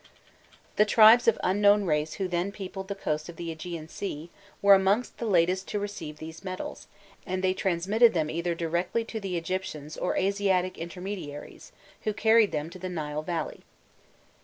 The tribes of unknown race who then peopled the coasts of the Ægean Sea, were amongst the latest to receive these metals, and they transmitted them either directly to the Egyptians or Asiatic intermediaries, who carried them to the Nile Valley.